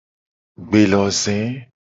Gbeloze.